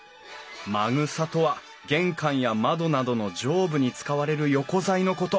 まぐさとは玄関や窓などの上部に使われる横材のこと。